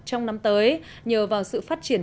trong năm tới nhờ vào sự phát triển